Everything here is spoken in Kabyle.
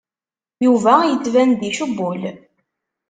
Yuba yettban-d icewwel.